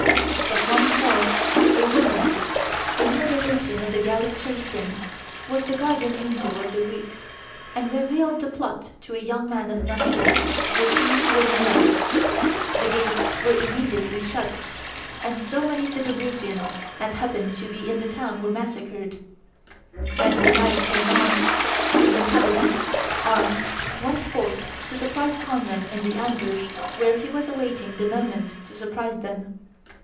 But once more a woman, a near relation of the Gallic chieftain, was the guardian angel of the Greeks, and revealed the plot to a young man of Marseilles, with whom she was in love. The gates were immediately shut, and so many Segobrigians as happened to be in the town were massacred. Then, when night came on, the inhabitants, armed, went forth to surprise Conran in the ambush where he was awaiting the moment to surprise them.